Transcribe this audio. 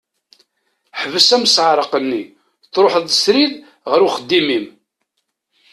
Ḥbes asmeɛreq-nni, truḥeḍ srid ɣer uxeddim-im.